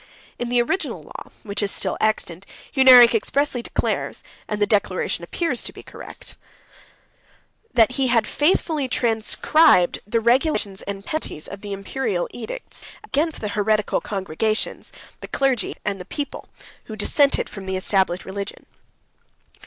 In the original law, which is still extant, 91 Hunneric expressly declares, (and the declaration appears to be correct,) that he had faithfully transcribed the regulations and penalties of the Imperial edicts, against the heretical congregations, the clergy, and the people, who dissented from the established religion.